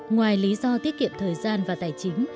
ngoài lý do tiết kiệm thời gian và tài chính